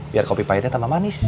karena kopi pahitnya tambah manis